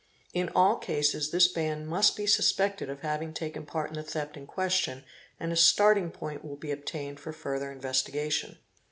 In all cases this band must be suspected of having taken part | in the theft in question and a starting point will be obtained for further investigation.